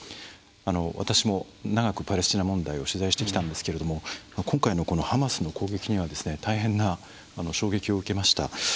私も長くパレスチナ問題を取材してきたんですが今回のハマスの攻撃には大変な衝撃を受けました。